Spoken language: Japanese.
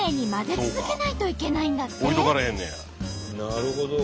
なるほど。